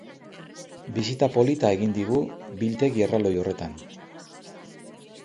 Bisita polita egin digu biltegi erraldoi horretan.